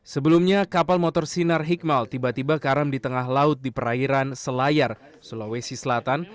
sebelumnya kapal motor sinar hikmal tiba tiba karam di tengah laut di perairan selayar sulawesi selatan